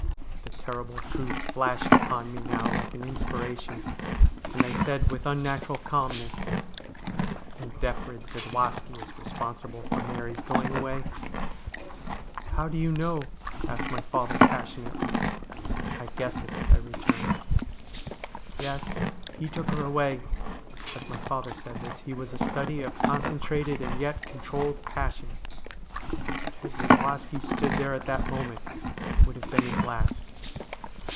The terrible truth flashed upon me now like an inspiration, and I said with unnatural calmness, ' And Defrid Zadwaski is responsible for Mary's going away ?'' How do you know ?' asked my father passionately. ' I guess it,' I returned. ' Yes. He took her away.' As my father said this, he was a study of concentrated and yet controlled passion, but had Zadwaski stood there at that moment it would have been his last.